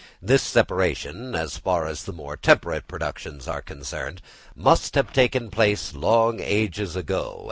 This separation, as far as the more temperate productions are concerned, must have taken place long ages ago.